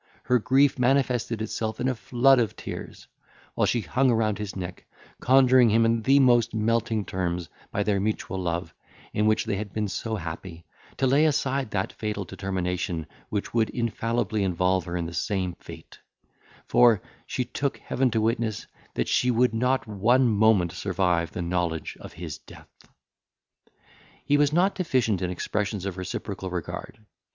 Her grief manifested itself in a flood of tears, while she hung round his neck, conjuring him in the most melting terms, by their mutual love, in which they had been so happy, to lay aside that fatal determination, which would infallibly involve her in the same fate; for, she took Heaven to witness, that she would not one moment survive the knowledge of his death. He was not deficient in expressions of reciprocal regard.